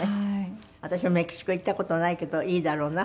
私メキシコ行った事ないけどいいだろうなって。